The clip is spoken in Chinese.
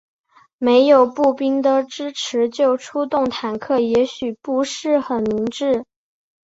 没有步兵的支持就出动坦克也许不是很明智。